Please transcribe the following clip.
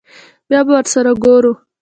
بيا به ورسره گورو.